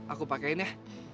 aku pakein ya